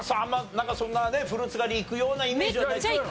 なんかそんなねフルーツ狩り行くようなイメージは。